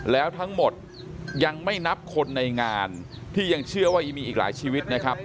แล้วทั้งหมดยังไม่นับคนในงานที่ยังเชื่อว่ายังมีอีกหลายชีวิตนะครับ